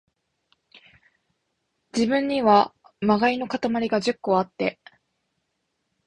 自分には、禍いのかたまりが十個あって、